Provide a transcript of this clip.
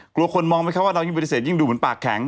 กลัวคนมองไหมคะว่าน้องยิ่งปฏิเสธยิ่งดูเหมือนปากแข็ง